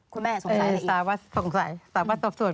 คุณแม่สงสัยอะไรอีกสาวราชสดสวน